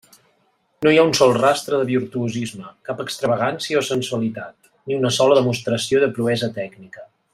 No hi ha un sol rastre de virtuosisme, cap extravagància o sensualitat, ni una sola demostració de proesa tècnica.